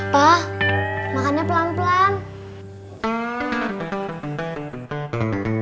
pa makannya pelan pelan